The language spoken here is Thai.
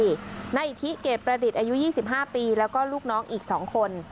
หน้าอิทธิเกรดประดิษฐ์อายุยี่สิบห้าปีแล้วก็ลูกน้องอีกสองคน